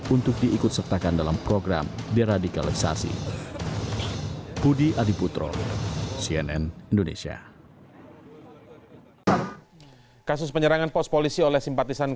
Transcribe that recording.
untuk diikut sertakan dalam program deradikalisasi